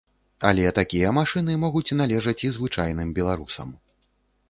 Але такія машыны могуць належаць і звычайным беларусам.